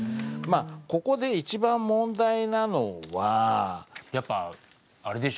まあここで一番問題なのは。